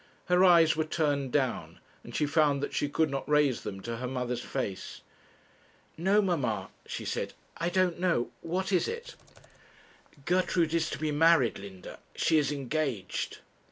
Her eyes were turned down, and she found that she could not raise them to her mother's face. 'No, mamma,' she said. 'I don't know what is it?' 'Gertrude is to be married, Linda. She is engaged.'